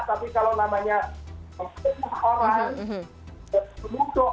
tapi kalau namanya memutuh orang